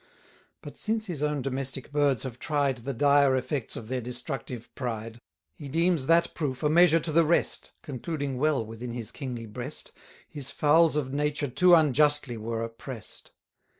But since his own domestic birds have tried 1240 The dire effects of their destructive pride, He deems that proof a measure to the rest, Concluding well within his kingly breast, His fowls of nature too unjustly were oppress'd.